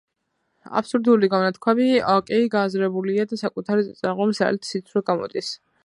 აბსურდული გამონათქვამი კი გააზრებულია და საკუთარი წინააღმდეგობის ძალით სიცრუე გამოდის.